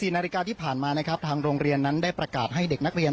นาฬิกาที่ผ่านมานะครับทางโรงเรียนนั้นได้ประกาศให้เด็กนักเรียน